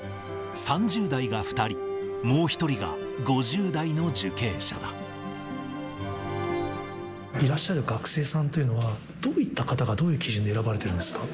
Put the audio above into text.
３０代が２人、いらっしゃる学生さんというのは、どういった方が、どういう基準で選ばれてるんですか？